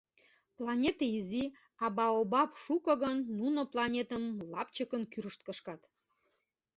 Планете изи, а баобаб шуко гын, нуно планетым лапчыкын кӱрышт кышкат.